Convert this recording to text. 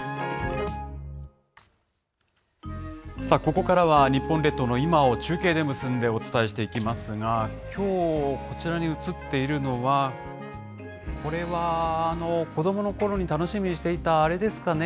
ここからは、日本列島の今を中継で結んでお伝えしていきますが、きょう、こちらに映っているのは、これは子どものころに楽しみにしていたあれですかね。